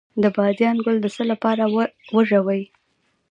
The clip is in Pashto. د بادیان ګل د څه لپاره وژويئ؟